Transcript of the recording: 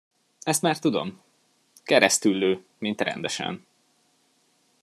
Ezt már tudom! Keresztüllő, mint rendesen.